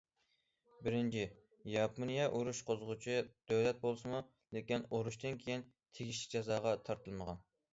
بىرىنچى، ياپونىيە ئۇرۇش قوزغىغۇچى دۆلەت بولسىمۇ، لېكىن ئۇرۇشتىن كېيىن تېگىشلىك جازاغا تارتىلمىغان.